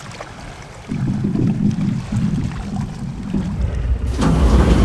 যেতে দিতে যাচ্ছো না কেন?